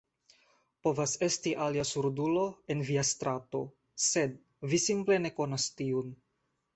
Povas esti alia surdulo en via strato, sed vi simple ne konas tiun.